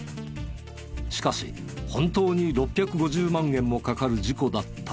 しかし本当に６５０万円もかかる事故だったのか？